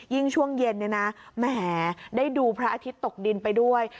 ช่วงเย็นเนี่ยนะแหมได้ดูพระอาทิตย์ตกดินไปด้วย